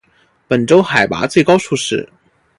本州海拔最高处是。